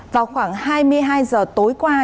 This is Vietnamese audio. vào khoảng hai mươi hai h tối qua